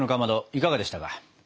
いかがでしたか？